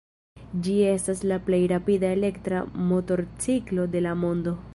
Ĝi estas la plej rapida elektra motorciklo de la mondo.